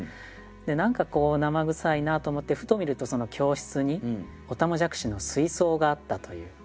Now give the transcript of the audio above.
何かこうなまぐさいなと思ってふと見るとその教室におたまじゃくしの水槽があったという。